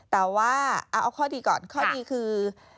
แต่ว่าเอาข้อดีก่อนข้อดีคือ